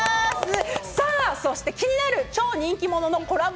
さぁそして気になる超人気者のコラボ